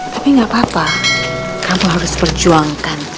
tapi nggak apa apa kamu harus berjuangkan